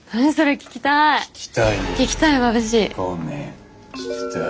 聞きたい。